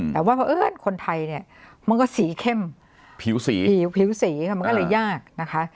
แต่ว่าคนไทยก็สีเข้มผิวสีมันก็ยากนะคะ